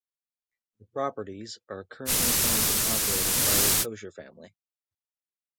The properties are currently owned and operated by the Kocher family.